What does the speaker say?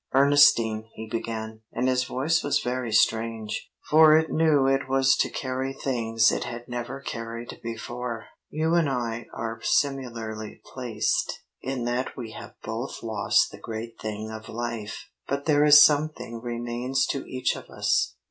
"Ernestine," he began, and his voice was very strange, for it knew it was to carry things it had never carried before, "you and I are similarly placed in that we have both lost the great thing of life. But there is something remains to each of us.